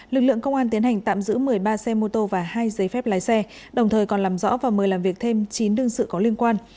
lực lượng công an tiến hành tạm giữ một mươi ba xe mô tô và hai giấy phép lái xe đồng thời còn làm rõ và mời làm việc thêm chín đương sự có liên quan